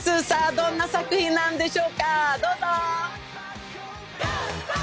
さあ、どんな作品なんでしょうか、どうぞ。